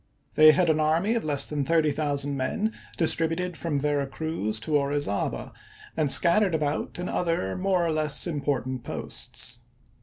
They had an army of less than thirty thousand men distributed from Vera Cruz to Ori zaba and scattered about in other more or less im portant posts.